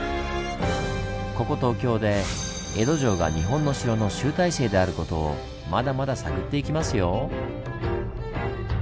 ここ東京で江戸城が日本の城の集大成であることをまだまだ探っていきますよ！